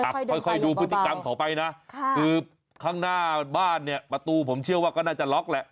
ค่อยดูพฤติกรรมเขาไปนะคือข้างหน้าบ้านเนี่ยประตูผมเชื่อว่าก็น่าจะล็อกแหละ